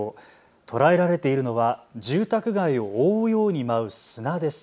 捉えられているのは住宅街を覆うように舞う砂です。